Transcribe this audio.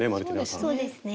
そうですね。